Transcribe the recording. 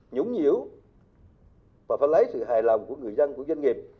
nhũng nhiễu và phải lấy sự hài lòng của người dân của doanh nghiệp